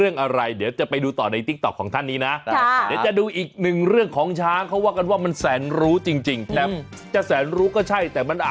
นี่ชมช้างหรือบอกว่าชมน้องผู้หญิงนะครับ